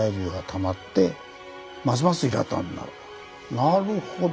なるほど！